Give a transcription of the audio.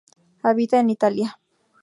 Habita en Italia.